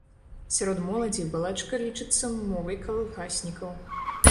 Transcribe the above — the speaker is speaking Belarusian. Сярод моладзі балачка лічыцца мовай калгаснікаў.